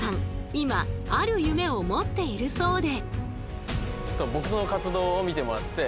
今ある夢を持っているそうで。